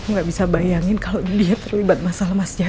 aku gak bisa bayangin kalo lydia terlibat masalah masyarakat